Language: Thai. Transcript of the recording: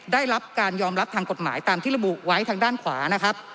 ได้รับการยอมรับทางกฎหมายตามที่ระบุไว้ทางด้านขวานะครับ